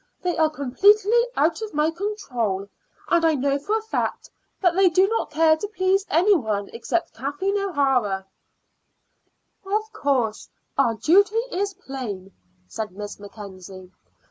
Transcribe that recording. They are completely out of my control, and I know for a fact that they do not care to please any one except Kathleen O'Hara." "Of course our duty is plain," said Miss Mackenzie.